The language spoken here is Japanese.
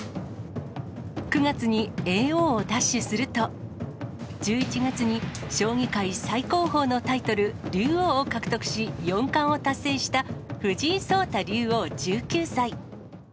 ９月に叡王を奪取すると、１１月に将棋界最高峰のタイトル、竜王を獲得し、４冠を達成した藤井聡太竜王１９歳。